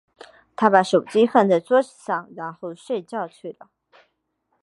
她把手机放在桌子上，然后睡觉去了。